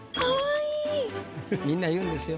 みんな言うんですよ。